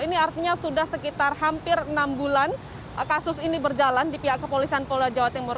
ini artinya sudah sekitar hampir enam bulan kasus ini berjalan di pihak kepolisian polda jawa timur